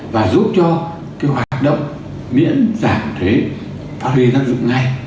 và giúp cho cái hoạt động miễn giảm thuế phát huyên dân dụng ngay